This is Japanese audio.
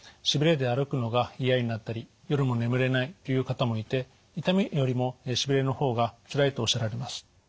しびれで歩くのが嫌になったり夜も眠れないという方もいて痛みよりもしびれの方がつらいとおっしゃられます。